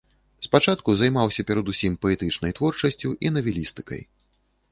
Спачатку займаўся перадусім паэтычнай творчасцю і навелістыкай.